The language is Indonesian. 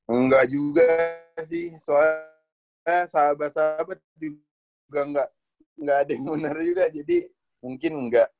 engga juga sih soalnya sahabat sahabat juga ga ada yang bener juga jadi mungkin ga